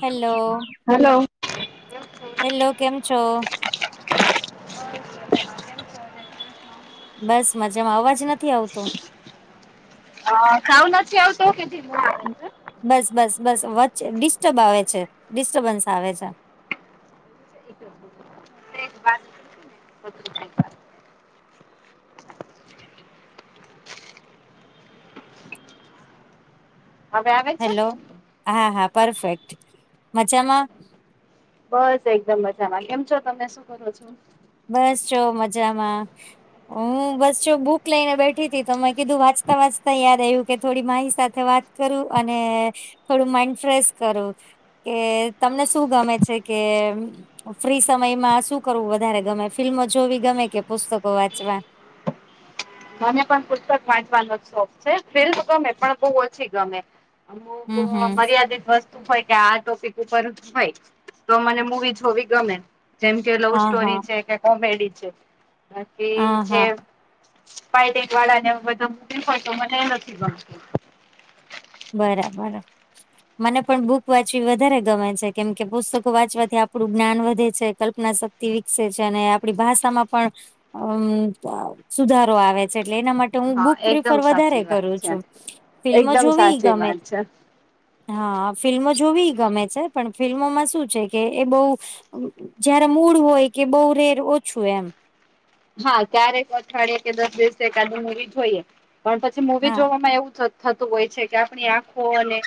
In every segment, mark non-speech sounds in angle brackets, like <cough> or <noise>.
Hello hello! Hello કેમ છો? બસ મજામાં અવાજ નથી આવતો. હ ખઉન નથી આ વતું કે ના? બસ બસ બસ વચ્ચે ડિસ્ટર્બ આવે છે, ડિસ્ટર્બન્સ આવે છે. ું વા <inaudible> હવે આવે છે હેલો હા હા પરફેક્ટ મજામાં? બસ એકદમ મજામાં કેમ છો તમને શું કરો છો? બસ જો મજામાં. હ બસ જો બુક લઈને બેઠી તી તો મેં કીધું વાંચતા વાંચતા યાદ આવ્યું કે થોડી મારી સાથે વાત કરું અને થોડું માઈન્ડ ફ્રેશ કરું. કે તમને શું ગમે છે કે ફ્રી સમયમાં શું કરવું વધારે ગમે ફિલ્મો જોવી ગમે કે પુસ્તકો વાંચવા? મને પણ પુસ્તક વાંચવાનો શોખ છે. ફીલમ ગમે પણ બહ ઓછી ગમે. અમ તો હમ હમ મર્યાદિત હોય કે આ ટોપિક ઉપર જ હોય તો મને મુવી જોવી ગમે. જેમ કે લવ હા હા સ્ટોરી છે, કે કોમેડી છે બાકી હા જે હા પાઇટક વાળા ને બધો મૂક પડતો મને એ નથી ગમતું. બરાબરા! મને પણ બુક વાંચવી વધારે ગમે છે કેમ કે પુસ્તકો વાંચવાથી આપણું જ્ઞાન વધે છે કલ્પના સ વિકસે છે અને આપણી ભાષામાં પણ અ સુધારો આવે છે એટલે એના માટે હું બુક હા પ્રિફર એકદમ વધારે સાચી કરું વાત છે છું. ફિલ્મ એકદમ જોવી સાચી ગમે વાત છે. હા ફિલ્મો જોવી ગમે છે પણ ફિલ્મોમાં શું છે કે એ બહુ જયારે મૂળ હોય કે બહુ રેર ઓછું એમ. હા ક્યારેક અઠવાડિયે કે દસ દિવસે એકાદ મુૂવી જોઈએ પણ પછી મુવી જોવામાં એવું જ હત થતું હોય છે કે આપણી આંખો અને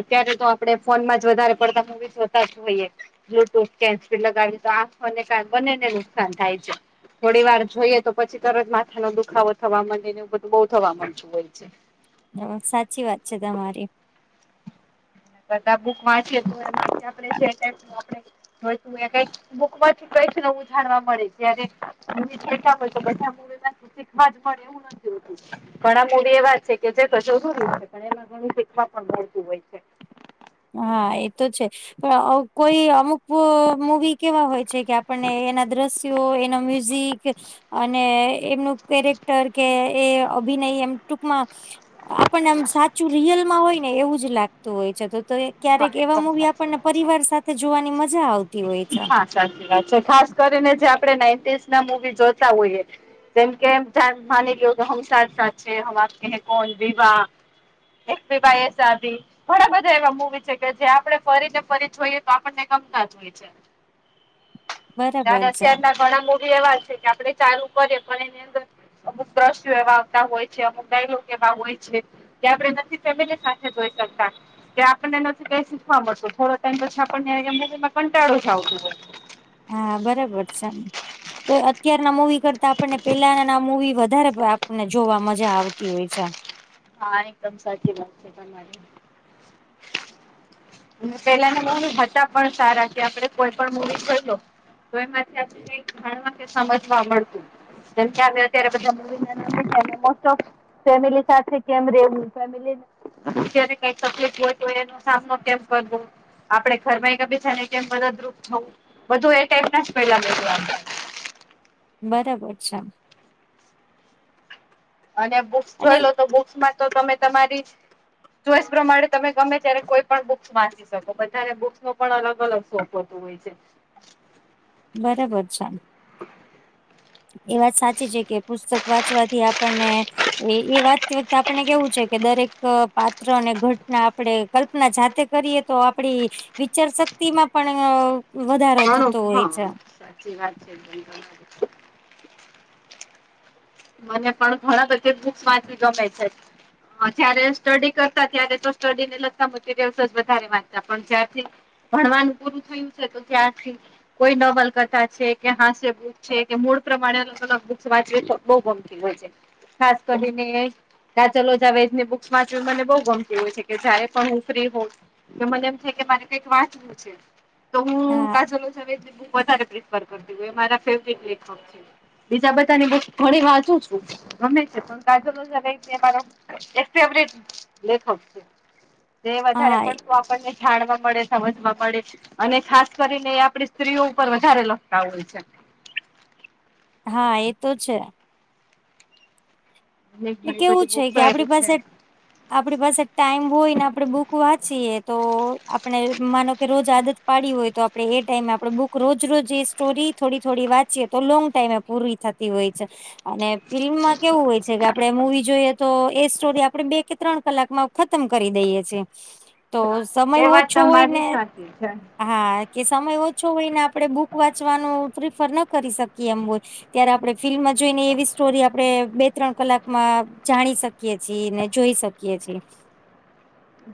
અત્યારે તો આપડણે ફોન માં જ વધારે પડતા મુવી જોતા જ હોઈએ. બ્લુટૂથ કેન્સી લગાવી તો આંખ અને કાન બનેને નુકસાન થાય છે. થોડી વાર જોઈએ તો પછી તરત માથા ન દુખાવો થવા ે ને એવ બધું બહુ થવા નતું હોય છે. સાચી વાત છે તમારી. બધા બુક વાંચીએ તુ ક બુકમાં છુટાય છે, નેવુ જાણવા મળે જ્યારે હોય તો બધા મ નથી. એક બાજ ફડ્યા દ ઘણા મૂડી એવા છે કે જે કશો શર છે, ઘણી એ ઘણી શીખવા પણ મળતું હોય છે. હા એ તો છે પણ કોઈ અમુક મૂવી કેવા હોય છે, કે આપને એના દ્રશ્યો એના મ્યુઝિક અને એમનું કેરેક્ટર કે એ અભિનય એમ ટૂંકમાં આપણનેમ સાચુ રિયલમા હોય ને એવું જ લાગતું હોય છે, તો તો હા ક્યારેક એવા એકદમ મૂવી સાચી આપણને વાત છે. પરિવાર સાથે જોવાની મજા આવતી હોય છે. હા સાચી વાત છે ખાસ કરીને જે આપણે નાન્ટી ના મુવી જોતા હોઈએ. તેમમ કે માને કે હો તો સા સા છે, હ આપ કહે કોન વિવાહ એકીબાઈ સાી ઘણા બધા એવા મુવી કે જે આપણે ફરીને ફરી જોઈએ, તો આપણને ગમતા જ હોય છે. તાર બરાબર છે અત્યાર ના ઘણા મોડી એવા છે, કે આપડે ચાલુ કરીએ પણ એની અંદર અમુક દ્રશ્યો એવા આવતા હોય છે અમુક દાયલો કેવા હોય છે. ત્યા આપ નથી ફેમિલી સાથે જોઈ શકતા આપને નથીઈ શીખવા મળતુ, થોડો ટાઈમ પછી આપણને મવીમાં કંટાળુ જ આવતું હો. હા બરાબર છે, તો અત્યારના મુવી કરતા આપણને પેલા આ મુવી વધારે આપને જોવા મજા આવતી હોય છે. હા એકદમ સાચી વાત છે, તમારી પેલાના મૂવી હતા હતા પણ સારા છે, આપે કોઈ પણ મૂવી ખઈ લો તો એમાંથી ઘણ સમજવા મળતુ કે આવ્યો ત્યારે બધા ફેમિલી સાથે કેમ રેવું ફેમ અત્યારે કઈ તકલીફ હોય તો એનો સામનો કે આપડે ઘરમાય ક બીજા ને મદદરૂપ થવુ બધું એ ટાઈપ ના જ પેલા બરાબર છે. અને બુક્સ અને જોઈ લો તો બુક્સમાં તો તમે તમારી ચોઈસ પ્રમાણે તમે ગમે ત્યારે કોઈ પણ બુક્સ વાંચી શકો બધાને બુક્સ નો પણ અલગ અલગ શોખ હોય. હોય છે. બરાબર છે. એ વાત સાચી છે, કે પુસ્તક વાંચવાથી આપણને- - એ એ વાચતી વખતે આપણે કેવું છે કે દરેક પાત્ર અને ઘટના આપણે કલ્પના જાતે કરીએ તો આપડી વિચાર શક્તિ મા પણ વધારો ઘણું થતો હોય હા છે. સાચી વાત છે, જનતા મને પણ ઘણા બધા બુક્સ વાંચી જોમે છે. જયારે સ્ટડી કરતા ત્યારે તો સ્ટ ને લગતા મરયલ્સ જ વધારે વાંંધતા પણ જારથી ભણવાનું પૂરું થયું છે, તો ત્યાારથી કોઈ નવલકથા છે કે હાસ્ય બુક છે કે મૂળ પ્રમાણે અલગ અલગ બુક્ વાચવે છે. બહુ ગમકીલ હોય છે, ખાસ કરીને ના ચાલ જ વેદ ની બુક્સમા મને બઉુ ગમતી હોય છે, કે જ પણ હું ફ્રી હોઉ તો મને એમ થ કે મારે કઈક વાંચવું છે, તો હું હા કા બીજા બધા ઘડી વાંચુ છુ ગમે છે, પણાજુ લેખક છે, તે વધારે હા પણું આપણને જાણવા મળે સમજવા પડે અને ખાસ કરીને એ આપડી સ્ત્રીઓ ઉપર વધારે લખતા હોય છે. હા એ તો છે. ને ઘણી કેવું બધી છે બુક કે આપડી પાસે આપણી પાસે ટાઈમ હોય ને આપણે બુક વાંચીએ તો આપણે માનો કે રોજ આદત પાડી હોય તો આપડણે એ ટાઈમે આપડ બુક રોજ રોજ એ સ્ટોરી થોડી થોડી વાંચએ તો લોંગ ટાઈમે પૂરી થાય હોય છે અને ફિલ્મમાં કેવું હોય છે કે આપણે મુવી જોઈએ તો એ સ્ટોરી આપડે બે કે ત્રણ કલાકમાં ખતમ કરી દઈએ છીએ. તો હા સમય એ વાત ઓછો હોય ને તમારી સાચી છે. હા કે સમય ઓછો હોય ને આપડણે બુક વાંચવાનું પ્રિફર ન કરી શકીએ એમ ત્યારે આપણે ફિલ્મમાં જોઈને એવી સ્ટોરી આપે બે ત્રણ કલાક માં જાણી શકીએ છીએ ને જોઈ શકીએ છીએ.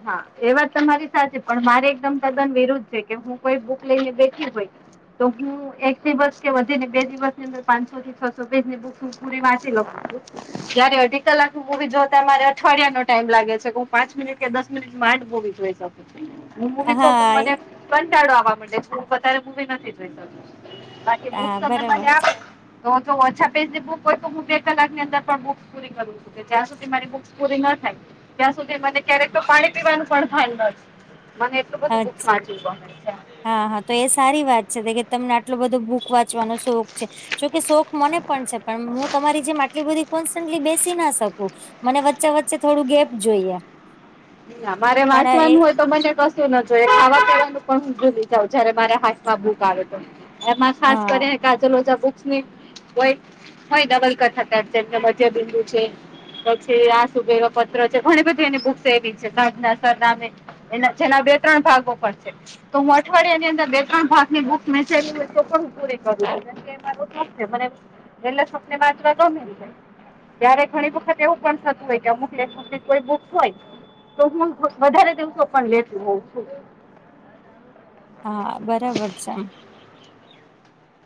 હા એ વાત તમા મારી સાચી પણ મારે એકદમ તદ્દન વિરુદ્ધ છે કે હું કોઈ બુક લઈને બેઠી હોય તો હું એક દિવસ કે વધી ને બે દિવસ ની અંદર પાંચસો થી છસો પેજ ની બુક પુરે વાંચે જય્યારે અઢી કલાક મુવી જોતા અમારે અઠવાડિયા નો ટાઈમ લાગે છે કે હું પાંચ મિનિટ કે દસ મિનિટ માંડ જ મૂવી જોઈ શકું છું હું મૂવી જોઉ તો હા એ- મને કંચાડો આવવા માં વધારે મવી નથી જોઈ શકત બાકી હા બુક બરાબર સમય છે તો જો ઓછા પેજ ની બુક હોય તો હું બે કલાક ની અંદર પણ બુક પૂરી કરું છું. જ્યા સુધી મારી બુક પૂરી ના થાય ત્યાં સુધી મને ક્યારેક તો પાણી પીવાનું પણ ભાન નથી મને એટલું બધું બુક્સ અચ્છા. વાંચવું ગમે છે હા હા તો એ સારી વાત છે કે તમને આટલો બધો બુક વાંચવાનો શોખ છે. જોકે શોખ મને પણ છે પણ હું તમારી જેમ આટલી બધી કોનસટલી બેસી ના શકું મને વચ્ચે વચ્ચે થોડું ગેપ જોઈએ. મારે પણ એ વાંચવાનું હોત તો મને કશું ના જો ખાવા પીવાનું પણ હુ ભુલી જાવ જયારે મારે હાથમાં બુક આવે તો એમાં ખાસ હા કરી કા બુક્સ ની હોય હોય ડબલ કથાકાર જેમ કે મધ્ય બિંદુ છે. પછી આ શુભવા પત્ર છે ઘણી બધી એની બુક્સ એવી છે સાધનાસર નામે. એના જેના બે ત્રણ ભાગો પ છે તો હું અઠવાડિયા ની અંદર બે ત્રણ ભાગ ની બુકચ તો પણ હું પૂરી કરું કે <unintelligible> મારું થશે મને પેલા સપને વાચવા ગમે છે. ત્યારે ઘણી વખત એવું પણ થતું હોય કે અમુક લેખક ની કોઈ બુક હોય તો હું વધારે દિવસો પણ લેત હોઉં છું. હા બરાબર છે.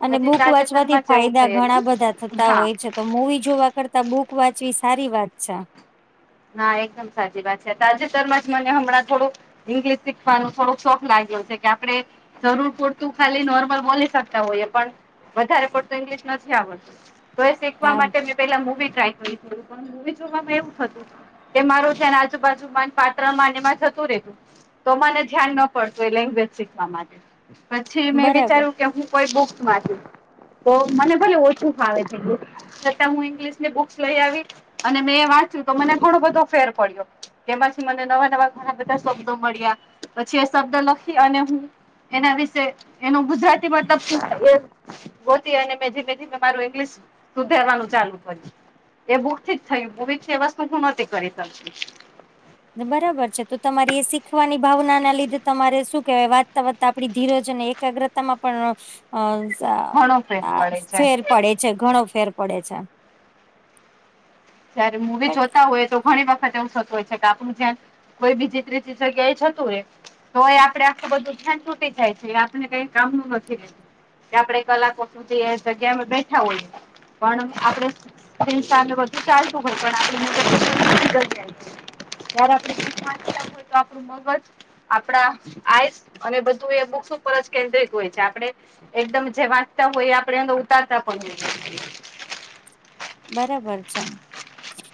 અને હજી બુક વાંચવાથી તાજેતરમાં જ એવું ફાયદા ઘણા બધા થયેલું થતા હા હોય છે. તો મુવી જોવા કરતા બુક વાંચવી સારી વાત છે. ના એકદમ સાચી વાત છે તાજેતરમાં જ મને હમણાં થોડું ઈંગ્લિશ શીખવાનો થોડોક શોખ લાગ્યો છે કે આપડે જરૂર પૂરતું ખાલી નોર્મલ બોલી શકતા હોઈએ પણ વધારે પડતું ઇંગ્લિશ નથી આવડતું તો એ શીખવા હા માટે મેં પેલા મૂવી ટ્રાય કરુ પણ મૂવી જોવામાં એવું થતું એ માર ધ્યાન આજુબાજુમાં પાત્ર માનેમાં જાતું રહેતું. તો મને ધ્યાન ના પડતું એ લેંગ્વેજ શીખવા માટે પછી મેં બરાબર વિચાર્યું કે હું કોઈ બુક વાચુ તો મને ભલે ઓછું ફાવે છે. છતાં હું ઇંગ્લિશ ની બુક્સ લઈ આવી અને મેં વાંચ્યું તો મને ઘણો બધો ફેર પડ્યો તેમાંથી મને નવા નવા ઘણા બધા શબ્દો મળ્યા પછી એ શબ્દ લખી અને હું એના વિશે એનું ગુજરાતી મતલબ ગોતી અને મેં ધીમે ધીમે મારું ઇંગ્લિશ સુધારવાનું ચાલુ કર્યું. એ બુક થી જ થયું ભવ છે એ વસ્તુ શું નથી કરી શકતી. બરાબર છે તો તમારી એ શીખવાની ભાવના ના લીધે તમારે શું કેહેવાય વાચતા વાચતા આપડી ધીરજને એકાગ્રતામાં પણ ઘણો ફેર પડે છે. ફેર પડે છે ઘણો ફેર પડે છે. જયારે મુવી પણ જોતા હોય તો ઘણી વખત એવું થતું હોય છે કે આપણું ધ્યાન કોઈ બીજી ત્રીજી જગ્યા એ થતું રે તો એ આપણે આખું બધું ધ્યાન તૂટી જાય છે એ આપણને કઈ કામનું નથી રેતું કે આપડે કલાકો સુધી એ જગ્યા બેઠા હોય પણ આપડે તાર ને બધું ચાલતું હોય પણ આપડે <unintelligible> જારે <unintelligible> હો તો આપણું મગજ આપણા આઈસ અને બધું એ બુક્સ ઉપર જ કેન્દ્રિત હોય છે આપડે એકદમ જે વાંચતા હોય આપે એ ઉતારતા પણ હો બરાબર છે.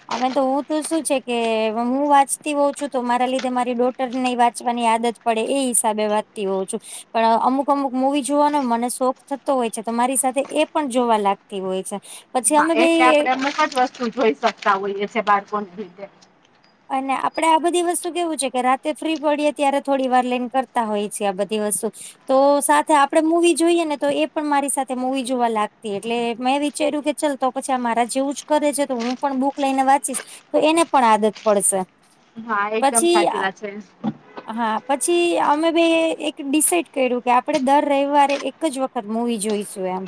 હવે તો હું તો શું છે કે હું વાંચતી હોઉં છું તો મારા લીધે મારી ડો ટર ની વાંચવાની આદત પડે એ હિસાબે વાંચતી હોઉં છું પણ અમુક અમુક મુવી જોવાનો મને શોખ થતો હોય છે તો મારી સાથે એ પણ જોવા લાગતી હોય છે. પછી હા અમે બે એટલે આપડે અમુક જ વસ્તુ જોઈ શકતા હોઈએ છે બાળકોને લીધે અને આપડે આ બધી વસ્તુ કેવું છે કે રાતે ફ્રી પડીએ ત્યારે થોડી વાર લઈને કરતા હોય છીએ આ બધી વસ્તુ તો સાથે આપડે મુવી જોઈએ ને તો એ પણ મારી સાથે મુવી જોવા લાગતી એટલે મેં વિચાર્યું કે ચાલ તો પછી મારા જેવું જ કરે છે તો હું પણ બુક લઈને વાંચીશ તો એને પણ આદત પડશે હા એકદમ પછી સાચી વાત છે એ. હા પછી અમે બે એક ડિસાઇડ કર્યું કે આપડે દર રવિવારે એક એક જ વખત મુવી જોઈશું એમ.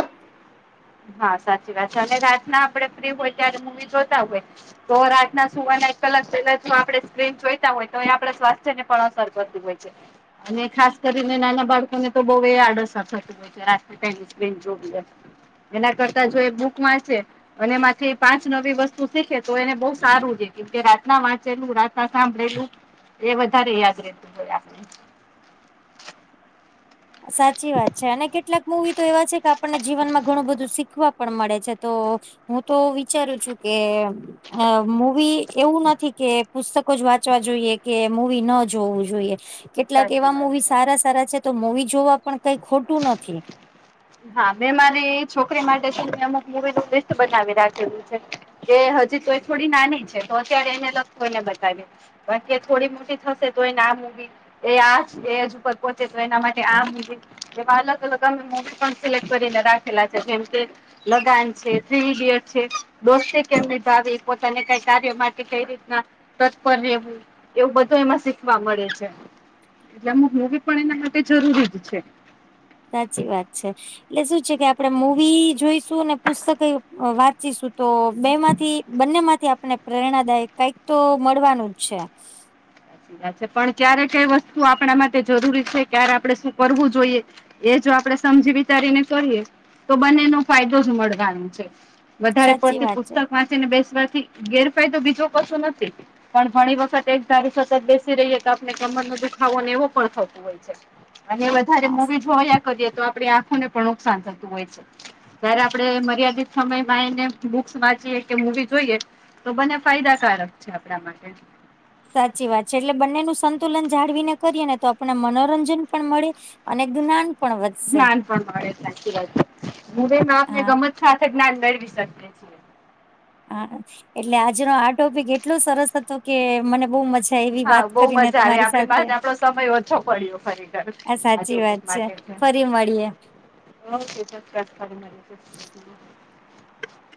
હા સાચી વાત છે અને રાતના આપડે ફ્રી હોય ત્યારે મુવી જોતા હોય તો રાતના સુવાના એક કલાક પેલા જો આપણે સ્ક્રીન જોઈતા હોય તો એ આપણે સ્વાસ્થ્ય ને પણ અસર કરતું હોય છે. અને ખાસ કરીને નાના બાળકોને તો બઉ એ આડઅસર થતી <unintelligible> સ્ક્રીન જોવી એના કરતા જો એ બુક વાંચે અને એ માંથી પાંચ નવી વસ્તુ શીખે તો એને બઉ સારું છે કેમકે રાતના વાંચેલું રા સાંભળેલું એ વધારે યાદ રહેતું હોય આપણે સાચી વાત છે અને કેટલાક મૂવી તો એવા છે કે આપણને જીવનમાં ઘણું બધું શીખવા પણ મળે છે તો હું તો વિચારું છું કે અ મૂવી એવું નથી કે પુસ્તકો જ વાંચવા જોઈએ કે મૂવી ન જોવું જોઈએ કેટલાક એવા સાચી વાત મુવી છે. સારા સારા છે તો મુવી જોવા પણ કઈ ખોટું નથી. હા મેં મારી છોકરી માટે છેને અમુક મુવી લિસ્ટ બનાવી રાખેલું છે. એ હજી તોય થોડી નાની છે તો અત્યારે એને કોઈને બતાવી બાકી થોડી મોટી થશે તો એને આ મુવી એ આજ એજ ઉપર પહોંચે તો એના માટે આ મુવી જેવા અલગ અલગ અમે મુવી પણ સિલેક્ટ કરીને રાખેલા છે જેમ કે લગાન છે, થ્રી ઇડિયટ છે, દોસ્તી કેમ નિભાવી પોતાને કઈ કાર્ય માટે કઈ રીતના તત્પર રહેવું એવું બધું એમાં શીખવા મળે છે. એટલેમ મુવી પણ એના માટે જરૂરી જ છે. સાચી વાત છે. એટલે શું છે કે આપણે મૂવી જોઈશું અને પુસ્તકે વાંચીશું તો બે માંથી બંને માંથી આપણે પ્રેરણાદાયક કંઈક તો મળવાનું જ છે. વા છે પણ ક્યારે કઈ વસ્તુ આપણા માટે જરૂરી છે ક્યારે આપડે શું કરવું જોઈએ એ જો આપણેે સમજી વિચારીને કરીએ તો બંનેનો ફાયદો જ મળવાનો છે. વધારે સાચી પડતી વાત છે પુસ્તક વા ચીને બેસવાથી ગેરફાયદો બીજો કશો નથી પણ ઘણી વખત એક ધારુ સ બેસી રહીએ તો આપણે કમર નો દુખાવો એવો પણ થતું હોય છે. અને વધારે હા મુવી જોયા કરીએ તો આપણી આંખોને પણ નુકસાન થતું હોય છે. જયારે આપડે મર્યાદિત સમયમાં એને બુક્સ વાંચીએ કે મુવી જોઈએ તો બને ફાયદાકારક છે આપણા માટે. સાચી વાત છે એટલે બંનેનું સંતુલન જાળવીને કરીએ ને તો આપને મનોરંજન પણ મળે અનેક દના જ્ઞાન પણ મળે સાચી વાત હું મા આપને હા ગમત સાથે જ્ઞાન મેળવી શકીએ છીએ હા એટલે આજનો આ ટોપિક એટલો સરસ હતો કે મને બહુ મજા તે એવી હા વાત બહુ કરીને મજા આવે તમારી આપડે સાથે બસ આપડો સમય ઓછો પડ્યો ખરેખર આ સાચી ટોપિક વાત છે માટે ફરી મળીએે ઓકે <inaudible>